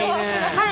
はい！